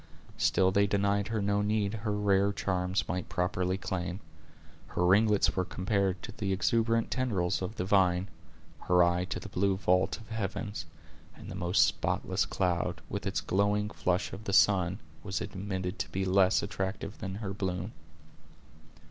Still they denied her no need her rare charms might properly claim. Her ringlets were compared to the exuberant tendrils of the vine, her eye to the blue vault of heavens, and the most spotless cloud, with its glowing flush of the sun, was admitted to be less attractive than her bloom.